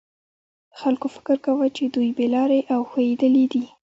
خلکو فکر کاوه چې دوی بې لارې او ښویېدلي دي.